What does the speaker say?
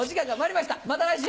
また来週！